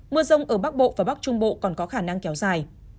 mưa rông ở bắc bộ và bắc trung bộ còn có khả năng kéo dài